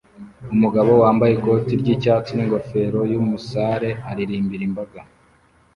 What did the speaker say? Umugabo wambaye ikoti ryicyatsi ningofero yumusare aririmbira imbaga